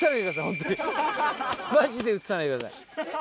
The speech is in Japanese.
ホントにマジで映さないでください。